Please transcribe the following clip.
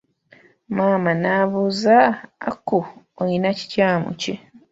Maama n'abuuza, Aku, olina kikyamu ki?